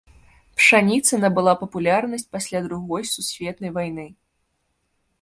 Пшаніца набыла папулярнасць пасля другой сусветнай вайны.